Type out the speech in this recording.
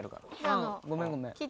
ああごめんごめん。